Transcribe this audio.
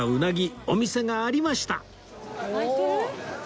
空いてる？